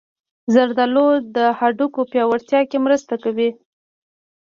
زردالو د هډوکو پیاوړتیا کې مرسته کوي.